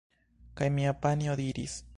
Kaj mia panjo diris: